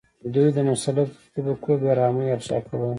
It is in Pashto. دوی د مسلطو طبقو بې رحمۍ افشا کولې.